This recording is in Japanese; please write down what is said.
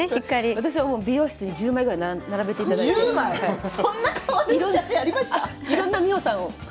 私は美容室に１０枚ぐらい並べていろいろな美穂さんを。